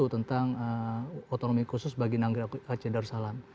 tentang otonomi khusus bagi nangga ac darussalam